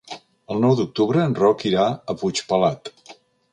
El nou d'octubre en Roc irà a Puigpelat.